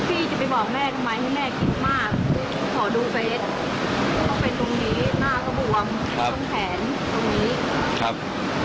ต้นก็บอกแม่แม่เดชน์ต้นเป็นเยอะแพ้เหรอ